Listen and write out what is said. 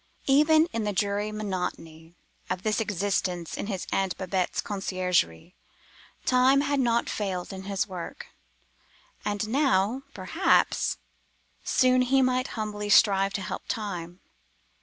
Even in the dreary monotony of this existence in his Aunt Babette's conciergerie, Time had not failed in his work, and now, perhaps, soon he might humbly strive to help Time.